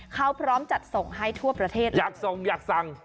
เขาพร้อมจัดส่งให้ทั่วประเทศเลยอยากส่งอยากสั่ง